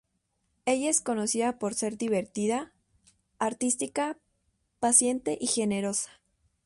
Ella es conocida por ser divertida, artística, paciente y generosa.